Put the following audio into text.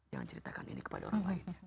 jangan ceritakan ini kepada orang lain